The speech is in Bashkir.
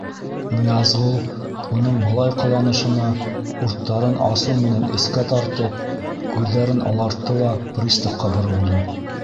Ныязғол уның былай ҡыланышына урттарын асыу менән эскә тартып, күҙҙәрен алартты ла приставҡа боролдо: